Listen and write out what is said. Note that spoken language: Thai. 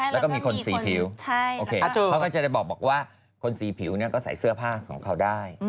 แล้วก็มีคนสีผิวเขาก็จะได้บอกว่าคนสีผิวก็ใส่เสื้อผ้าของเขาได้